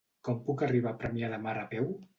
Com puc arribar a Premià de Mar a peu?